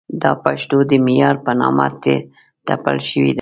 دا پښتو د معیار په نامه ټپل شوې ده.